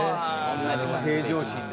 平常心で。